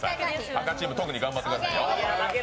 赤チーム、特に頑張ってくださいよ